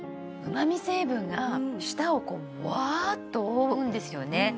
旨味成分が舌をこうわっと覆うんですよね